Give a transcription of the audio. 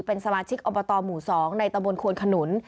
เป็นสมาชิกอบตหมู่๒ในตะบนควนขนุน